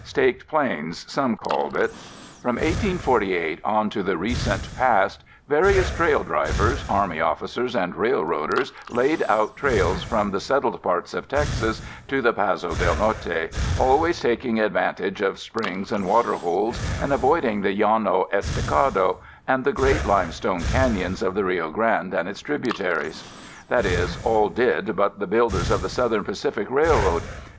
Staked Plains, some called it. From 1848 on to the recent past, various trail drivers, army officers and railroaders laid out trails from the settled parts of Texas to the Paso del Norte, always taking advantage of springs and water holes and avoiding the Llano Estacado and the great limestone canyons of the Rio Grande and its tributaries. That is, all did but the builders of the Southern Pacific Railroad.